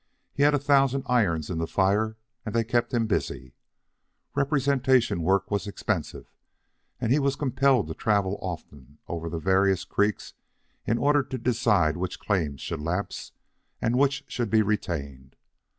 He had a thousand irons in the fire, and they kept him busy. Representation work was expensive, and he was compelled to travel often over the various creeks in order to decide which claims should lapse and which should be retained.